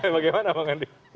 bagaimana bang wandi